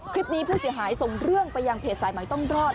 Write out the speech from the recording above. ผู้เสียหายส่งเรื่องไปยังเพจสายใหม่ต้องรอด